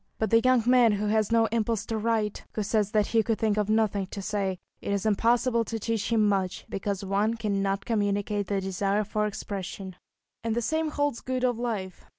But the young man who has no impulse to write, who says that he could think of nothing to say, it is impossible to teach him much, because one cannot communicate the desire for expression. And the same holds good of life.